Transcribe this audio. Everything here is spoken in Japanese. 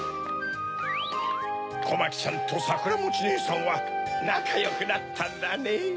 コマキちゃんとさくらもちねえさんはなかよくなったんだねぇ。